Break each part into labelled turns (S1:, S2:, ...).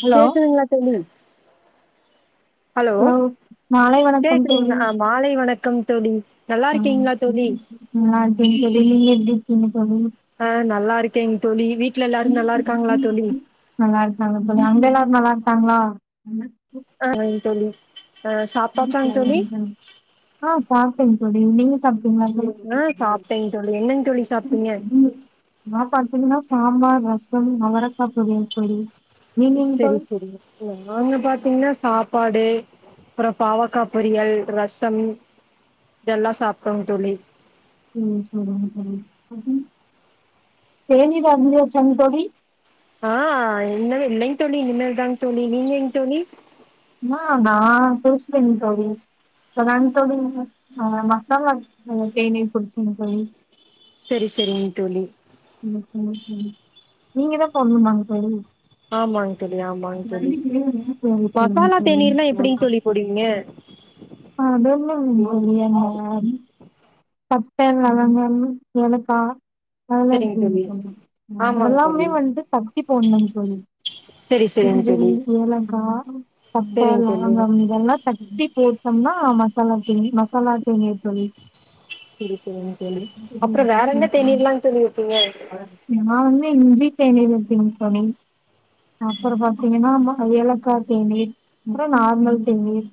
S1: Hello
S2: கேக்குதுங்களா தோழி hello
S1: மாலை வணக்கம்
S2: கேக்குதுங்களா மாலை வணக் கம் தோழி நல்லா
S1: ஆ
S2: இருக்கீங்களா தோழி
S1: நல்லாருக்கேங் தோழி நீங்க எப்டி நீங்க
S2: ஆ நல்லா இருக்கேங் தோழி வீட்ல எல்லாரும் நல்லா இருக்காங்களா தோழி
S1: நல்லாருக்காங்க தோழி அங்க எல்லாரும் க்காங்ளா
S2: ஆ தோழி ஆ சாப்ட்டாச்சாங் தோழி
S1: ஆ சா சாப்டேங் தோழிநீங்க சாப்ட்
S2: ஆ சாப்பிட்டேன்ங்க தோழி என்னங் தோழி சாப்ட்டீங்க
S1: நா பாத்தீங்கன்னா சாம்பார் ரசம் அவரக்காய் பொறியல் தோழி
S2: ஸ்
S1: நீங்கங்க
S2: செரி
S1: தோழி
S2: செரி நாங்க பாத்தீங்கன்னா சாப் சப்பாடு அப்புறோ பாவக்கா பொரியல் ரசம் இதெல்லா சாப்பிட்டோங்க தோழி
S1: உம் சேரிங்க தோழி [unintelligible] தேனீர் அறிந்தியாச்சாங்க தோழி
S2: ஆ இல்லே இல்லெங் தோளி இனிமேல் தாங்க தோளி நீங்கங் தோளி
S1: ஆ நா [unintelligible] [unintelligible] தோழி மசாலா [unintelligible] தேனீர் குடுச்சங் தோழி
S2: சேரி சேரிங்க தோழி
S1: ஆமா ஆமா ஆமா நீங்க தான் சொல்னும்மாங் தோழி
S2: ஆமாங் தோழி ஆமாங் தோழி
S1: சேரி சேரிங்
S2: மசாலா
S1: தோழி
S2: தேனீர்னா எப்புடிங் தோழி போடுவீங்க
S1: [unintelligible] பட்ட லவங்கம் ஏலக்கா
S2: சரிங்க தோழி
S1: [unintelligible]
S2: ஆமாங்க தோழி
S1: அதெல்லாமே வந்துட்டு தட்டி போட்ணு தோழி
S2: சரி சரிங்க
S1: இஞ்சி
S2: தோழி
S1: ஏலக்கா பட்ட
S2: சரிங்க தோழி
S1: லவங்கம் இதெல்லா தட்டி போட்டொம்னா மசாலா தேநீ மசாலா தேநீர் தோழி
S2: செரி செரிங்க தோழி அப்றோ வேற என்ன தேநீர்லாங் தோழி வப்பிங்க
S1: நா வந்து இஞ்சி தேநீர் வப்பேங் தோழி அப்றோ பாத்தீங்கனா ஏலக்கா தேநீர் அப்றோ நார்மல் தேநீர்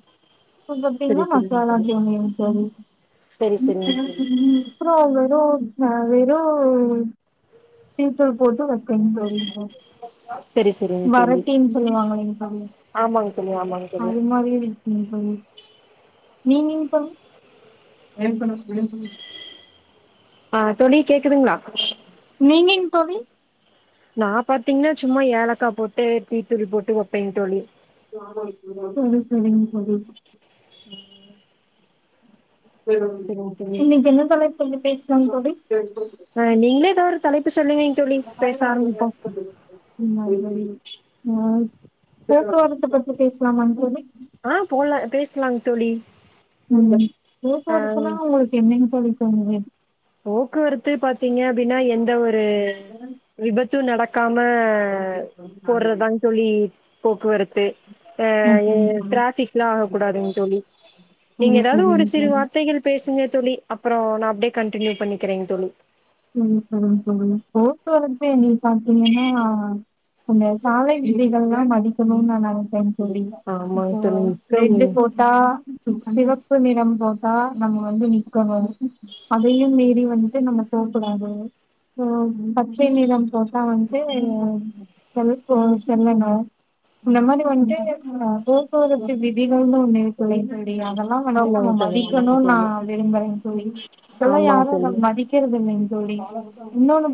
S1: இப்ப
S2: சரி
S1: பாத்திங்கனா
S2: சரிங்க
S1: மசாலா
S2: தோழி
S1: தேநீர்ங் தோழி
S2: சரி சரிங்க தோழி
S1: [unintelligible] நா வெறு டீத்தூள் போட்டு வப்பேங் தோழி
S2: சரி சரிங்க தோழி
S1: வரட்டீன்னு சொல்லுவாங்கல்லங் தோழி
S2: ஆமாங்க தோழி ஆமாங்க தோழி
S1: அது மாரி இருக்குங் தோழி நெய் மீன் பா பேசணு பேசணு
S2: ஆ தோழி கே
S1: நெய் மீன் கவி
S2: நா பாத்திங்னா சும்மா ஏலக்கா போட்டு டீத்தூள் போட்டு வப்பேங் தோழி
S1: செரி செரிங் தோழி வெரும்
S2: சரிங்க தோழி
S1: இன்னைக் என்ன தலைப்பு வந்து பேச தனுஷ்கோடி
S2: ஆ நீங்ளே எதோ ஓர் தலைப் இப்ப சொல்லுவேங் தோழி பேச ஆரம்மிப்போ
S1: அ போக்குவரத்த பத்தி பேசலாமாங் தோழி
S2: ஆஹ் போல பேசலாங் தோழி
S1: உம்
S2: ஆ
S1: ஏற்பாடுக்குனா உங்களுக் என்னங்க தோழி [unintelligible]
S2: போக்குவரத்து பாத்திங்க அப்டின்னா எந்த ஒரு து விபத் து நடக் க்காம போறதாங் தோழி போக்குவரத்து
S1: ஓகேங்க தோழி
S2: ட்ராஃபிக்லா ஆக கூடாதுங் தோழி நீங்க
S1: சரி
S2: எதாது ஒரு
S1: சரிங்க
S2: சிறு
S1: தோழி
S2: வார்த்தைகள் பேசுங்க தோழி அப்றோ நா அப்டியே கண்டினியூ பண்ணிக்கிறேங்க தோளி
S1: உம் சொல்லுங்க சொல்லுங்க போக்குவரத்து எங்களுக்கு பாத்தீங்கன்னா அந்த சாலை விதைகள் எல்லா மதிக்கணுனு நா நெனப்பே தோளி
S2: ஆமாங்
S1: இப்போ
S2: தோழி மிக்க
S1: ரெட்டு போட்டா சிவப்பு நிறம் போட்ட நம்ம வந்து நிக்கனும் அதையும் மீறி வந்துட்டு நம்ம போக்கூடாது அப்ரோ பச்சை நீறம் போட்டா வந்துட்டு செல் செல்லணும் இந்த மாரி வண்டு போக்குவரத்து விதிகள்னு ஒண்ணு இருக்குலிங்களா அதெல்லா வண்டு
S2: ஆமாங்க
S1: நம்ம
S2: தோழி ஆமாங்க
S1: மதிக்கணுனு நா
S2: தோழி
S1: விரும்புறேங்க தோளி இப்பேல்லா
S2: ஆமாங்க
S1: யாரு அத மதிக்க இல்லேங் தோளி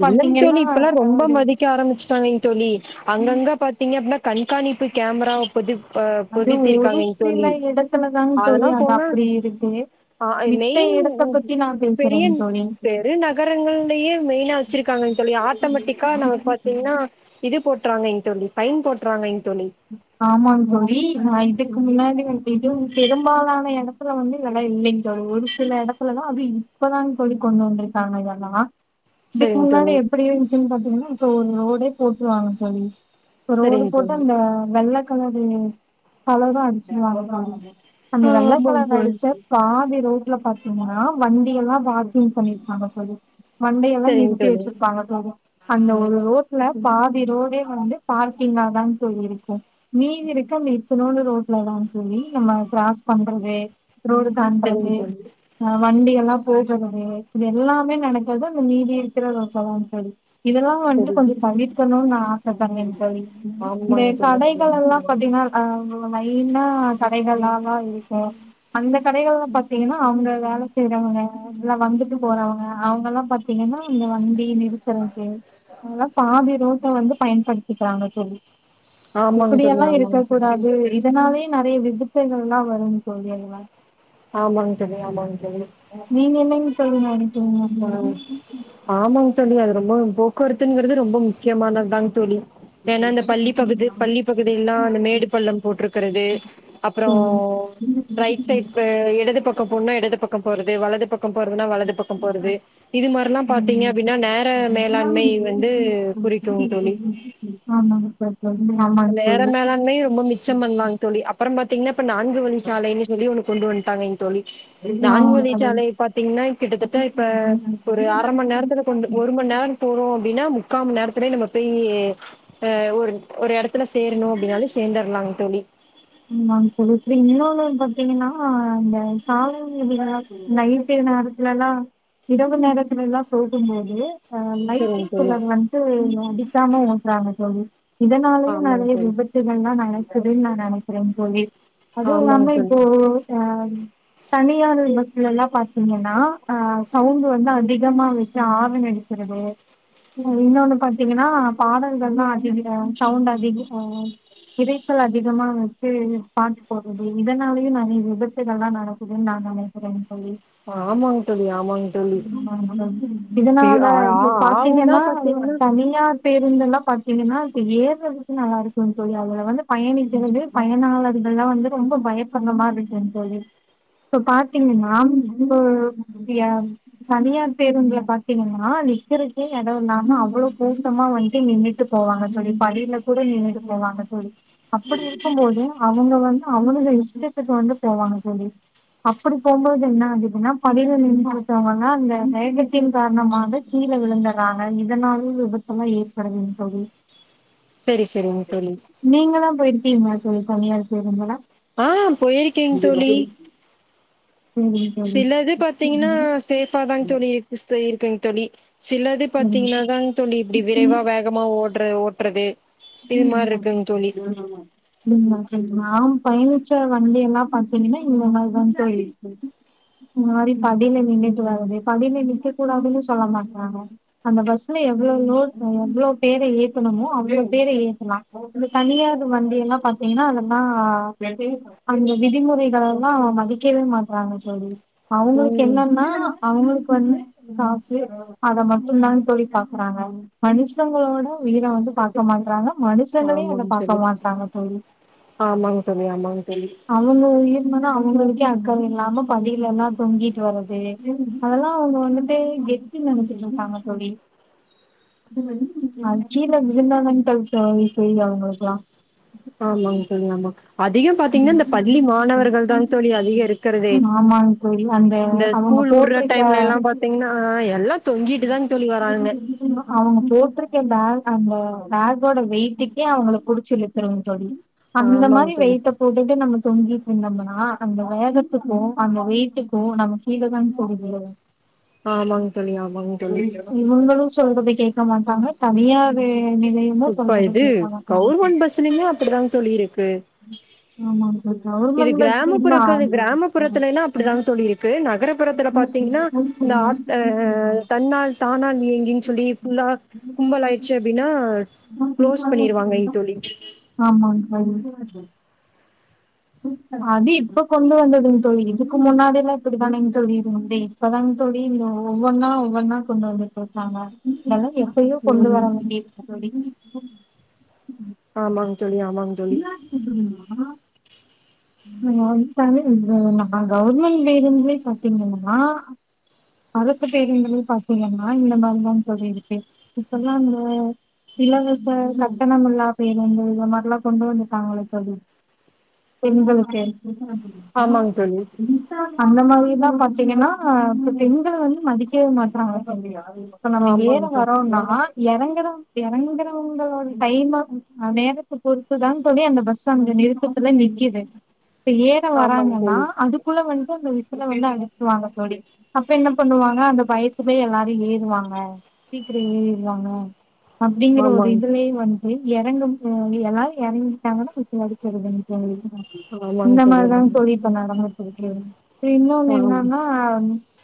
S2: இல்லேங் தோளி இப்பெல்லா ரொம்ப மதிக்க ஆரம்பிச்சுட்டாங்க தோளி அங்கங்க பாத்தீங்கப்டினா அப்பிடின்னா கண்காணிப்பு கேமராப்பது
S1: அது ஒரு சில இடத்துலதாங் தோழி
S2: அதெல்லா
S1: அது
S2: போனா
S1: அப்படி இருக்கு
S2: ஆ
S1: மித்த எடத்த
S2: மெயின்
S1: பத்தி நா
S2: பெரிய
S1: பேசுறேங்க தோழி
S2: வெச்சிருக்காங்க தோளி ஆட்டோ மேட்டிக்கா நமக்கு பாத்தீங்கன்னா இது போட்டு போட்ராங்க தோளி பயின் போட்றாங்க
S1: ஆமாங் தோளி நா இதுக்கு முன்னாடி வந்துட்டு பெரும்பாலான எடத் எடத்துல வந்து இதெல்லா இல்லைங்க தோளி ஒரு சில எடத்துலல்லா அது இப்பதாங்க தோளி கொண்டு வந்திருக்காங்க தோளி இதெல்லா இதுக்கு
S2: சரிங்க
S1: முன்னாடி
S2: தோழி
S1: எப்பிடி இருஞ்சின்னு பாத்திங்கென தெருமுளுக்கா ரோடே போட்டுருவாங்க தோளி ரோடு
S2: சரிங்க
S1: போட்டா ஆ
S2: தோழி
S1: நல்ல அதாவது அழகா அடிச்சுருவாங்க [unintelligible] அந்த
S2: ஆ
S1: வெள்ளைக்
S2: ஆமாங்க
S1: களர்
S2: தோழி
S1: அடிச்சே பாதி ரோடு ல பாத்தீங்கன்னா வண்டி எல்லா பார்க்கிங் பண்ணிருக்காங்க தோளி வண்டியெல்லா
S2: சரிங்க
S1: நிறுத்தி
S2: தோழி
S1: வெச்சிருப்பாங்க தோளி அந்த ஒரு ரோட்ல பாதி ரோடே வந்து பார்க்கிங்கா தா தோளி இருக்கு மீதி இருக்க அந்த இத்துணூண்டு ரோட்லதா தோளி நம்ம க்ராஸ் பண்றது ரோடு
S2: சரிங்க
S1: தாண்டறது
S2: தோழி
S1: ஆ வண்டி எல்லா போக்குறது இது எல்லாமே நடக்குறது அந்த மீதி இருக்குர ரோட்லதா தோளி இதெல்லா வண்டு
S2: சரி
S1: கொஞ்சு தவிர்க்கனு நா ஆச படுரந் தோளி உம் இந்த
S2: ஆமாங்க தோழி
S1: கடைகள்
S2: ஆமாங்க
S1: எல்லா
S2: தோழி
S1: பாத்தீங்கன்னா ஆ லைனா கடைகள்ல்லா தா இருக்கு அந்த கடைகள்லா பாத்தீங்கன்னா அங்க வேல செய்யறவங்க எல்லா வந்துட்டு போறவங்க அவங்கள்ல்லா பாத்தீங்கன்னா அந்த வண்டி நிறுத்தற்க்கு அதெல்லா பாதி ரோ டு வந்து பயன்படுத்திக்கிறாங்க தோழி
S2: ஆமாங்க தோழி
S1: இப்படியெல்லா இருக்க
S2: ஆமாங்க தோழி
S1: கூடாது இதனாலேயே நெறைய விதிப்பைகள்ல்லா வருங் தோழி அதுலா
S2: ஆமாங்க தோழி ஆமாங்க
S1: நீங்க என்னங் தோழி [unintelligible]
S2: உம் ஆமாங்க தோழி அது ரொம்ப போக்குவரத்துங்கிறது ரொம்ப முக்கியமானது தாங் தோழி ஏனா இந்த
S1: சரி
S2: பள்ளி பகுது பள்ளி பகுதிய எல்லா அந்த மேடு பள்ளம் போட்டிருக்கிறது அப்புறோ ரைட் சைட் அ இடது பக் கோ போனா இடது பக்கோ போறது வலது பக் கோ போறதுனா வலது பக் கோ போறது இது மாரில்லா பாத்தீங்க அப்டின்னா நேர மேலாண்மை வந்து குறிக்குங் தோழி
S1: ஆமாங்க சார். ஆமாங்க
S2: நேர மேலாண்மை ரொம்ப மிச்சம் பண்ணலாங்க தோழி அப்புற பாத்தீங்கன்னா இப்ப நான்கு வழிச்சாலைன்னு சொல்லி ஒன்னு கொண்டு வந்து ட்டாங்க இங் தோழி நான்கு வழி சாலை பாத்தீங்ன்னா கிட்டத்தட் இப்ப ஒரு அர மண் நேரத்துல கொண்டு
S1: சார்.
S2: ஒரு மணி நேரோ போறோ அப்படின்னா முக்காம நேரத்துலயே நம்ம பேயி எ ஒரு ஒரு எடத்துல சேரணு அப்படின்னாலு சேந்தர்லாங் தோழி
S1: ஆமாங் தோழி அப்ற இன்னொன்னு பாத்தீங்கன்னா அந்த சாதாரண இதுல எல்லா நைட்டு நேரத்துல எல்லா இரவு நேரத்துல எல்லா போகும்போது ஆ
S2: சரிங்க
S1: லைட்டிங்ஸா
S2: தோழி.
S1: சிலர் வந்ட்டு நோ அடிக்காம ஓட்றாங்க தோழி இதனாலயே
S2: ஆமாங்க
S1: நெறைய
S2: தோழி.
S1: விபத்துகள்ல நடக் குது நா நெனைக் கிறங் தோழி அது
S2: ஆமாங்க
S1: இல்லாம
S2: தோழி.
S1: இப்போ ஆ தனியார் பஸ்ஸுல எல்லா பாத்தீங்கன்னா ஆ சவுண்ட் வந்து அதிகமா வச்சு ஆரன் அடிக்கிறது இன்னொன்னு பாத்தீங்கன்னா பாடல்கள் எல்லா அதிக சவுண்ட் அதிகோ இறைச்சல் அதிகமா வ ச்சு பாட்டு போட்றது இதனாலயு நெறைய விபத்துகள் தா நடக்குதுன்னு நா நெனைக்கிறங் தோழி
S2: ஆமாங்க தோழி, ஆமாங்க தோழி. ஐயோ!
S1: இதனால
S2: ஆ ஆ
S1: இப்ப
S2: ஆவுன்னா
S1: பாத்தீங்கன்னா
S2: பாத்தீங்கன்னா
S1: தனியார் பேருந்தெல்லா பாத்தீங்ன்னா இப்ப ஏறுறதுக்கு நல்லா இருக்குங் தோழி அதுல வந்து பயணிக்கிறது பயனாளர்கள் எல்லா வந்து ரொம்ப பயப்பட்ற மாரி இருக்குங் தோழி இப்ப பாத்தீங்கன்னா நம்ப தனியார் பேருந்துல பாத்தீங்கன்னா நிக்கறக்கே எட இல்லாம அவ்வளோ கூட்டமா வந்து நின்னுட்டு போவாங்க தோழி படியில கூட நின்னுட்டு போவாங்க தோழி அப்படி இரு க்கு போது அவங்க வந்து அவுனுக இஷ்டத்துக்கு வந்து போவாங்க தோழி அப்படி போம்போது என்ன அகுதுன்னா படில நின்னுட்ருக்கவங்க எல்லா அந்த வேகத்தின் காரணமாக கீழே விழுந்துறாங்க இதனால விபத்துல்லா ஏற்படுதுங் தோழி
S2: சரி, சரிங்க தோழி.
S1: நீங்க எதா போயிருக் [unintelligible] தோழி தனியார் பேருந்துல
S2: ஆஹ் போயிருக்கேங் தோழி
S1: சேரிங்க
S2: சிலது பாத்தீங்ன்னா சேஃபா தாங் தோழி இருக்கு ஸ் போயிருக்கங் தோழி சிலது பாத்தீங்ன்னா தாங்தோழி இப்படி விரைவா வேகமா ஓ றே ஓட்றது
S1: [inaudible] பயணிச்ச வண்டி எல்லா பாத்தீங்கன்னா இந்த மாரிதா தோழி இந்த மாரி படில நின்னுட்டு வரது படில நிக்க கூடாதுன்னு சொல்ல மாட்றாங்க அந்த பஸ்ல எவ்ளோ லோட் இவ்ளோ பேர ஏத்துணமோ அவ்ளோ வேற ஏத்துலா [inaudible] தனியார் வண்டி எல்லா பாத்தீங்கன்னா [unintelligible] அந்த விதிமுறைகள் எல்லா மதிக்கவே மாட்றாங்க தோழி அவுங்குளுக்கு
S2: ம்
S1: என்னென்னா அவுங்குளுக்கு வந்து காசு அத மட்டுந்தா தோழி பாக்குறாங்க மனுஷங்களோட உயிர வந்து பா கம்மாறாங்க மனுஷங்களே அத
S2: ஆமாங்க
S1: பாக்க
S2: தோழி
S1: மாட்டாங்க தோழி
S2: ஆமாங்க தோழி ஆமாங்க தோழி
S1: அவுங்க உயிர் மேல அவுங்களுக்கே கே [unintelligible] இல்லாம படிலலா தொங்கீட் வரது அதெல்லா அவுங்க வந்துட்டு கெத்துன்னு நெனச்சிட்டுருக்காங்க தோழி [inaudible] அது கீழ இருந்தா [unintelligible] அவுங்களுக்குலா
S2: ஆமாங்க தோழி ஆ தாங்க தோழி அதிகம் இருக்கிறதே
S1: ஆமாங் தோழி அந்த
S2: இந்த
S1: அவுங்க
S2: ஸ்கூல் உடுற
S1: போட்டிருக்க
S2: டைம்ல எல்லா பாத்தீங்கன்னா எல்லா தொங்கிட்டு தாங்க தோழி வரானுங்க
S1: அவுங்க போட்டிருக்க பே அங்க பேக்கோட வெயிட்டுக்கே அவுங்கல புடிச்சிழுக்கனோ தோழி அந்த
S2: ஆமாங்க
S1: மாரி
S2: தோழி
S1: வெயிட்ட டே நம்ம தொங்கீட் இருந்தோம்மனா அந்த வேகத்துக்கோ அந்த வெயிட்டுக்கோ நம்ம கீழதாங் போயி விழனு
S2: ஆமாங்க தோழி ஆமாங்க தோழி
S1: இவுங்களோ சொல்றத கே க மாட்டாங்க தனியாவே
S2: இப்ப இது
S1: சார்
S2: கவுர்மெண்ட் பஸ்லியுமே அப்டிதாங் தொழி இருக்கு
S1: ஆமாங்க சார்
S2: இது
S1: கவர்மெண்ட் பஸ் இல்ல
S2: கிராமப்புற கதை கிராமப்புறத்துலைனா அப்டிதாங் தோழி இருக்கு நகர புறத்துல பாத்தீங்னா இந்த ஆட் அ தன்னால் தானான் ஏங்கின்னு சொல்லி ஃபுல்லா கும்பல் ஆயிடுச்சு அப்டினா
S1: ஆமாங் தோழி அது இப்ப கொண்டு வந்ததுங் தொழி இதுக்கு முன்னாடிலா இப்பிடி தானேங் தோழி இருந்தது இப்பதாங்க தோழி இது ஒவ்வொன்னா ஒவ்வொன்னா கொண்டு வந்துட்டுருக்காங்க [unintelligible] யோ கொண்டு வர
S2: ம்.
S1: வேண்டி [inaudible] [inaudible]
S2: ஆமாங்
S1: என்னா [inaudible] [inaudible] கவுர்மெண்ட் பேருந்துளேயே பாத்தீங்கன்னா அரசு பேருந்துளேயே பாத்தீங்கன்னா இந்த மாரிதா தோழி இருக்கு இப்பல்லா இந்த இலவச கட்டணமில்லா பேருந்து இந்த மாரிலா கொண்டு வந்துருக்காங்கள தோழி பெண்களுக்கு
S2: ஆமாங்க தோழி.
S1: அந்த மாரி இதா பாத்தீங்கன்னா இப்ப பெண்கள வந்து மதிக்கே மாட்றாங்க [inaudible] இப்ப நம்ம ஏற
S2: ஆமாங்க தோழி.
S1: வரோனா இறங்கற இறங்கறவங்களோட டைம்ம ஆ நேரத்த பொறுத்துதாங் தோழி அந்த பஸ் அங்க நிறுத்தத்துல நி கிது ப்ப ஏற
S2: ஆமாங்க
S1: வராங்கன்னா
S2: தோழி.
S1: அதுக்குள்ள வந்ட்டு அந்த வி [unintelligible] வேண்டா அடிச்சிருவாங்க தோழி அப்ப என்ன பண்ணுவாங்க அந்த பயத்துலயே எல்லாரு ஏறுவாங்க சீக்கிரொ ஏறிருவாங்க அப்டிங்கிற ஒரு
S2: ஆமாங்க.
S1: இதுலயே வந்து எறங்கும் அ எல்லாரும் எறங்கிட்டாங்கன்னா விசிலடிச்சிர்றதுங்க தோழி ம் இந்த மாதிரிதா தோழி இப்ப நடந்துட்ருக் ம் அப்றோ இன்னொன்னு
S2: ஆமா.
S1: என்னானா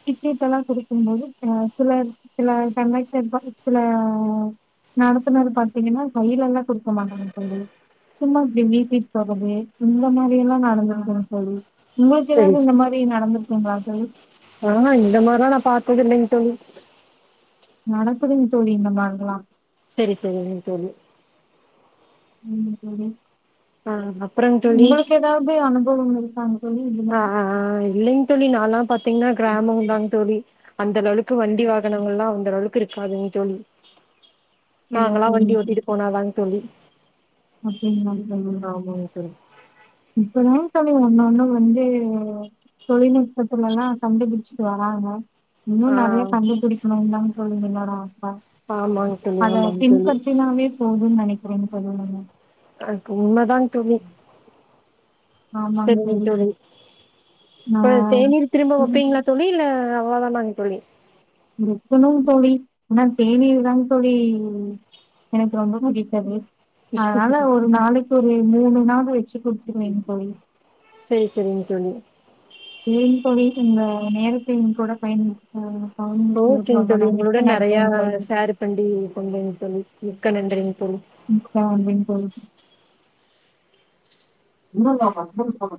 S1: டிக்கெட்டெல்லா குடுக்கும்போது ஆ சில சில கண்டக்டர் ப சில ஆ நடத்துனர் பாத்தீங்கன்னா கையிலல்லா குடுக்க மாட்டாங்க தோழி சும்மா இப்டி வீசிட் போறது இந்த மாரியெல்லா நடந்துருக்கு தோழி உங்களுக்கு ஏதாவது இந்த மாரி நடந்ருக் க்குங்ளா தோழி
S2: ஆ ஹ இந்த மார்லா நா பாத்தது இல்லைங்க தோழி
S1: நடக்குதுங் தோழி இந்த மாரில்லா
S2: செரி செரிங்க தோழி
S1: ம் தோழி
S2: ஆ அப்புறங்க
S1: உங்களுக்கு ஏதாவது அனுபவம் இருக்காங்க தோழி இது
S2: அ
S1: மாரி
S2: அ அ இல்லைங் தோழி நால்லாம் பாத்தீங்னா கிராமதாங் தோழி அந்த லெவலுக் கு வண்டி வாகனங்கள்லா அந்த லெவல்க்கு இருக்காதுங் தோழி
S1: செரி
S2: நாங்கல்லா
S1: செரிங்க
S2: வண்டி
S1: தோழி
S2: ஓட்டிட்டு போனாதாங் தோழி
S1: அப்டிங்களா தோழி
S2: ஆமாங்க தோழி
S1: இப்பதா தோழி ஒன்னு ஒன்னு வந்து தொழில்நுட்பத்துலல்லா கண்டுப்புடிச்சிட்டு வராங்க இன்னு
S2: ஆ
S1: நறைய கண்டுபுடிக்கணுன்தா [unintelligible] என்னோட ஆஸ் அ
S2: ஆமாங் தோழி
S1: அத
S2: ஆமாங் தோழி
S1: பின்பற்றினாவே போதுன் நெனக் [unintelligible] தோழி
S2: அது உண்மதாங் தோழி செரிங்க தோழி இப்ப தேநீர் திரும்ப
S1: நா
S2: வப்பீங்களா தோழி இல்ல அவ்ளதானாங் தோழி
S1: எடுக்கணு தோழி ஏனா தேனீர்தாங் தோழி எனக்கு ரொம்ப புடித்தது அதனால ஒரு நாளைக்கு ரெ மூணு நாலு வெச்சி குடிச்சிருவேங் தோழி
S2: செரி செரிங்க தோழி
S1: ஏ இப்பவே இந்த நேரத்த எங்கூட பயன் [inaudible]
S2: ஓகேங் தோழி
S1: ரொம்ப
S2: உங்களோட
S1: மிக்க
S2: நெறைய
S1: நன்றிங்க தோழி
S2: ஷேர் பண்டி பண்றீங்க தோழி மிக்க நன்றிங் தோழி
S1: [unintelligible] இல்லல்ல ஹஸ்பண்ட்ஸ் தா